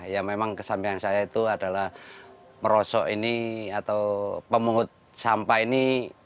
ya memang kesampingan saya itu adalah merosok ini atau pemungut sampah ini